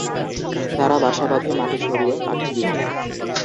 তারা বাসা বাঁধে মাটি সরিয়ে কাঠি দিয়ে।